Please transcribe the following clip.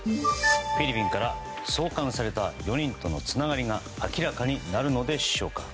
フィリピンから送還された４人とのつながりが明らかになるのでしょうか。